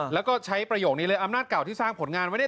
แล้วก็ใช้ประโยคนี้เลยอำนาจเก่าที่สร้างผลงานไว้ได้